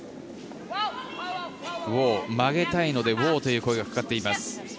曲げたいのでウォーという声がかかっています。